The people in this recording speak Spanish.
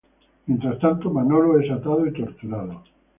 Mientras tanto, Manolo es atado y torturado.